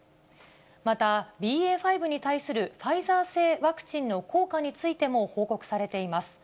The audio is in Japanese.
また、ＢＡ．５に対するファイザー製ワクチンの効果についても報告されています。